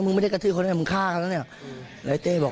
ผมไม่ได้อยู่เหตุการณ์แล้ว